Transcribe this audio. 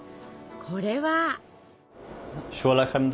これは？